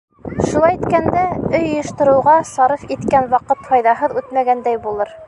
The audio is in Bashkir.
Шулай иткәндә, өй йыйыштырыуға сарыф иткән ваҡыт файҙаһыҙ үтмәгәндәй булыр.